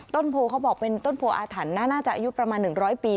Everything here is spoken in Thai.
ต้นโผเขาบอกเป็นต้นโผอาถันน่าน่าจะอายุประมาณหนึ่งร้อยปี